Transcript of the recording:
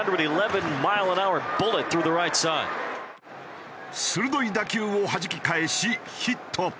鋭い打球をはじき返しヒット。